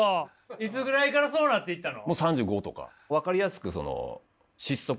いつぐらいからそうなっていったの？